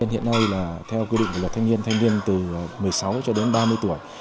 hiện nay là theo quy định của luật thanh niên thanh niên từ một mươi sáu cho đến ba mươi tuổi